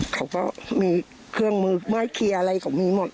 เขาก็ทรงมือไม่เคลียร์อะไรก็มีหมด